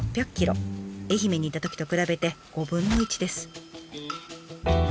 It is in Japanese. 愛媛にいたときと比べて５分の１です。